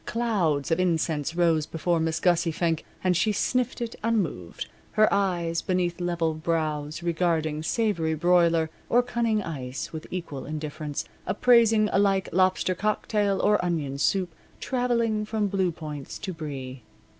Clouds of incense rose before Miss Gussie Fink and she sniffed it unmoved, her eyes, beneath level brows, regarding savory broiler or cunning ice with equal indifference, appraising alike lobster cocktail or onion soup, traveling from blue points to brie.